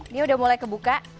dia udah mulai kebuka